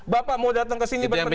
bapak mau datang ke sini berpendapat